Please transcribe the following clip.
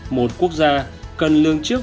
một quốc gia cần lương trước